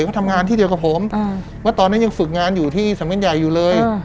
เขาทำงานที่เดียวกับผมว่าตอนนั้นยังฝึกงานอยู่ที่สังเวียนใหญ่อยู่เลย